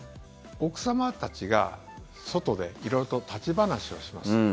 奥様たちが外で色々と立ち話をします。